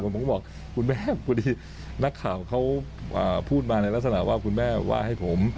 ผมก็บอกคุณแม่พอดีนักข่าวเขาพูดมาในลักษณะว่าคุณแม่ว่าให้ผม